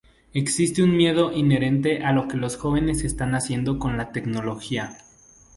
Existe un miedo inherente a lo que los jóvenes están haciendo con la tecnología.